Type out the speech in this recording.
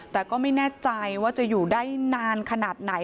แต่ก็ไม่แน่ใจว่าจะอยู่ได้นานขนาดไหน